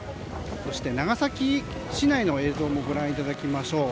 そして、長崎市内の映像もご覧いただきましょう。